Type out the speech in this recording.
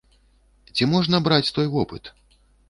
Ці можна браць той вопыт?